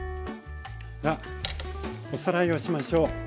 さあおさらいをしましょう。